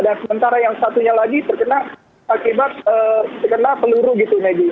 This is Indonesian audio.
dan sementara yang satunya lagi terkena akibat terkena peluru gitu medi